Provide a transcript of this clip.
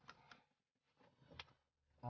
ini prima ya